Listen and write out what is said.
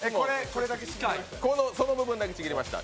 その部分だけちぎりました。